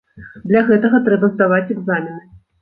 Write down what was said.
Для гэтага трэба здаваць экзамены.